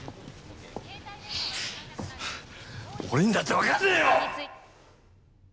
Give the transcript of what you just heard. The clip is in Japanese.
俺にだって分かんねえよ！